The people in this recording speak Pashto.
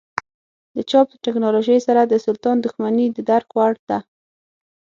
د چاپ ټکنالوژۍ سره د سلطان دښمني د درک وړ ده.